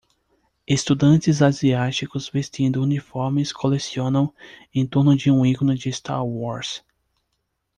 Estudantes asiáticos vestindo uniformes colecionam em torno de um ícone de Star Wars.